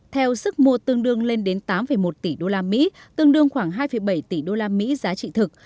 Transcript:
theo sức mua tương đương lên đến tám một tỷ usd tương đương khoảng hai bảy tỷ usd giá trị thực